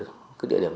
mà chúng tôi xác định